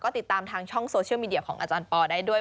ติดตามทางช่องโซเชียลมีเดียของอาจารย์ปอได้ด้วย